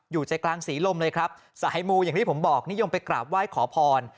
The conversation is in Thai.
อยู่ใจกลางศรีลมเลยครับสายมูอย่างที่ผมบอกนิยมไปกราบไหว้ขอพร